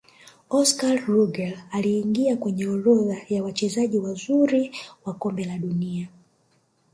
oscar rugger aliingia kwenye orodha ya Wachezaji wazuri wa kombe la dunia